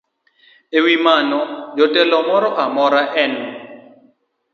E wi mano, jatelo moro amora e m